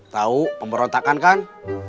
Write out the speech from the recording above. tau pemberontakan kan